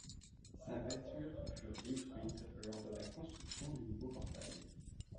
Ces peintures furent détruites lors de la construction du nouveau portail.